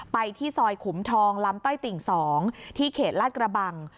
ไปที่ซอยขุมทองลำต้อยติ่ง๒ที่เขตลาดกระบัง